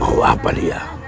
mau apa dia